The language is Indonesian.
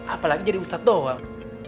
apalagi jadi ustaz doang